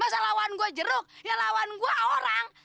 masa lawan gua jeruk yang lawan gua orang